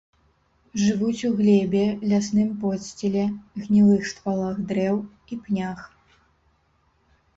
Жывуць у глебе, лясным подсціле, гнілых ствалах дрэў і пнях.